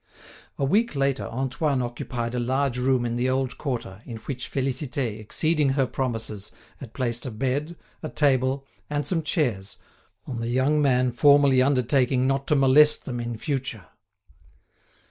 A week later Antoine occupied a large room in the old quarter, in which Félicité, exceeding her promises, had placed a bed, a table, and some chairs, on the young man formally undertaking not to molest them in future.